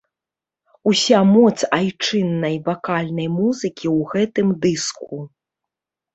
Уся моц айчыннай вакальнай музыкі ў гэтым дыску.